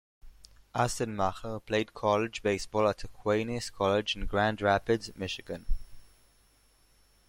Assenmacher played college baseball at Aquinas College in Grand Rapids, Michigan.